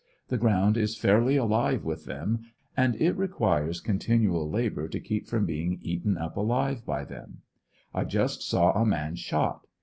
The ground is fairly alive with them, and it requires continual labor to keep from being eaten up alive by them I just saw a man shot.